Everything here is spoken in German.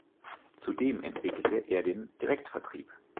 Zudem entwickelte er den Direktvertrieb.